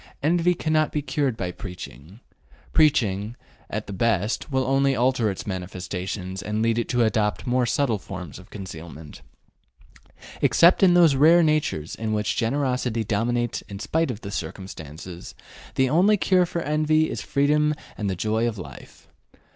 Envy cannot be cured by preaching; preaching, at the best, will only alter its manifestations and lead it to adopt more subtle forms of concealment. Except in those rare natures in which generosity dominates in spite of circumstances, the only cure for envy is freedom and the joy of life.